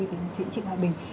điện sĩ trịnh hoa bình